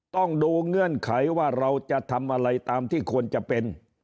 ต้องดูเงื่อนไขว่าเราจะทำอะไรตามที่ควรจะเป็น